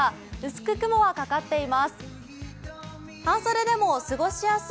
薄く雲はかかっています。